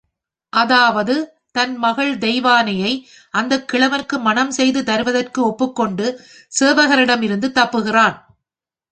அதாவது, தன் மகள் தேவானையை அந்தக் கிழவனுக்கு மணம் செய்து தருவதற்கு ஒப்புக் கொண்டு சேவகரிடமிருந்து தப்புகிறான்.